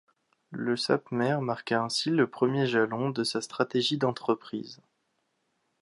La Sapmer marqua ainsi le premier jalon de sa stratégie d'entreprise.